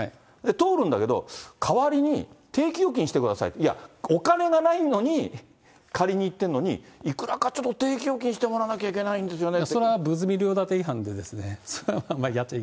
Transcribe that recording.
通るんだけど、代わりに定期預金してください、いや、お金がないのに、借りに行ってんのに、いくらかちょっと定期預金してもらわなきゃいけないんですよね。